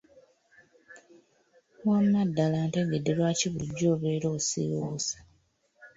Wamma ddala ntegedde lwaki bulijjo obeera osiiwuuse.